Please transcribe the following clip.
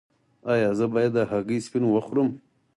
ایا زه باید د هګۍ سپین وخورم؟